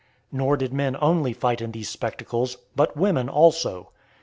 Nor did men only fight in these spectacles, but women also.